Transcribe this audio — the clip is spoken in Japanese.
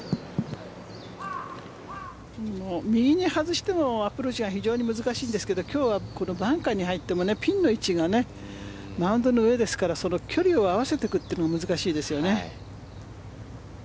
右に外してもアプローチが非常に難しいんですけど今日はバンカーに入ってもピンの位置がマウンドの上ですから距離を合わせていくのが難しいですよね。